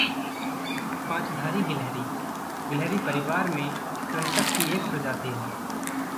पाँचधारी गिलहरी गिलहरी परिवार में कृंतक की एक प्रजाति है।